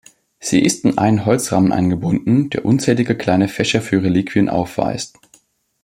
Sie ist in einen Holzrahmen eingebunden, der unzählige kleine Fächer für Reliquien aufweist.